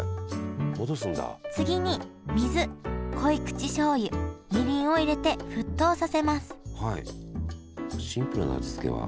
次に水濃い口しょうゆみりんを入れて沸騰させます